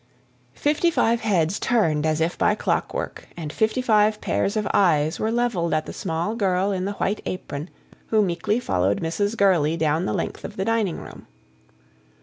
Fifty five heads turned as if by clockwork, and fifty five pairs of eyes were levelled at the small girl in the white apron who meekly followed Mrs. Gurley down the length of the dining room.